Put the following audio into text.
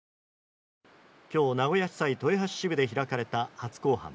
今日、名古屋地裁豊橋支部で開かれた初公判。